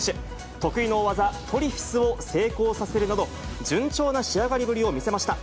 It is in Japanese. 得意の大技、トリフィスを成功させるなど、順調な仕上がりぶりを見せました。